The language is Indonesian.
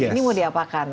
ini mau diapakan